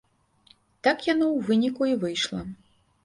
Так яно ў выніку і выйшла.